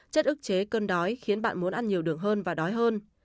chất ức chế cơn đói khiến bạn muốn ăn nhiều đường hơn và đói hơn